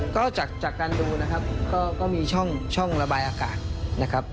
ก็จากการดูนะครับก็มีช่องระบายอากาศนะครับ